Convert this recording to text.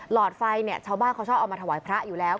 อดไฟเนี่ยชาวบ้านเขาชอบเอามาถวายพระอยู่แล้ว